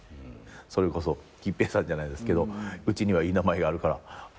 それこそ桔平さんじゃないですけど「うちにはいい名前があるから愛之助を継ぎなさい」って。